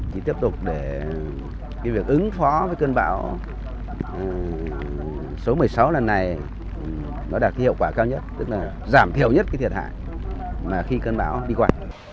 thì tiếp tục để cái việc ứng phó với cơn bão số một mươi sáu lần này nó đạt cái hiệu quả cao nhất tức là giảm thiểu nhất cái thiệt hại mà khi cơn bão đi qua